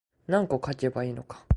何個書けばいいのか